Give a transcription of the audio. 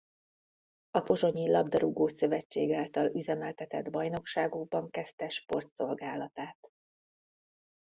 A Pozsonyi labdarúgó-szövetség által üzemeltetett bajnokságokban kezdte sportszolgálatát.